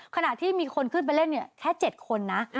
ขณะที่มีคนขึ้นไปเล่นเนี่ยแค่๗คนนะ